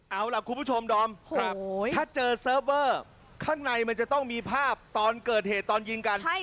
เอาล่ะคุณผู้ชมดอมถ้าเจอเซิร์ฟเวอร์ข้างในมันจะต้องมีภาพตอนเกิดเหตุตอนยิงกัน